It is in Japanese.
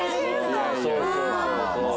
そうそうそうそう。